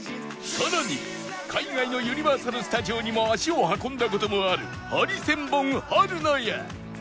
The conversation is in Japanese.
さらに海外のユニバーサル・スタジオにも足を運んだ事もあるハリセンボン春菜や